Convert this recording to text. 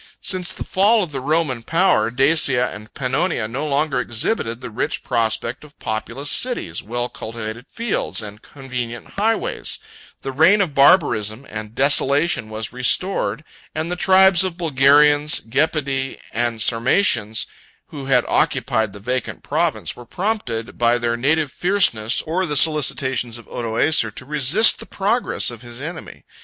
Since the fall of the Roman power, Dacia and Pannonia no longer exhibited the rich prospect of populous cities, well cultivated fields, and convenient highways: the reign of barbarism and desolation was restored, and the tribes of Bulgarians, Gepidae, and Sarmatians, who had occupied the vacant province, were prompted by their native fierceness, or the solicitations of Odoacer, to resist the progress of his enemy.